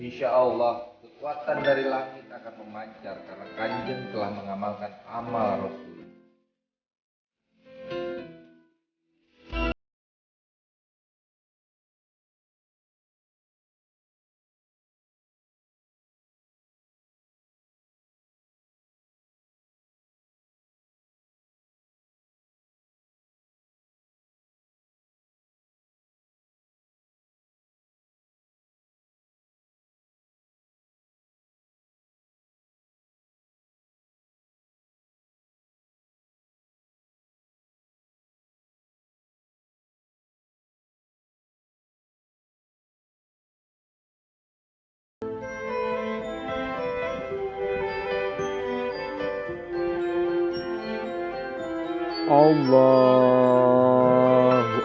insyaallah kekuatan dari langit akan memancar karena kanjeng telah mengamalkan amal rasulullah